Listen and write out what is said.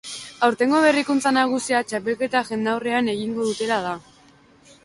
Aurtengo berrikuntza nagusia txapelketa jendaurrean egingo dutela da.